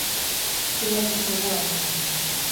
Filma ikusi dugu harekin.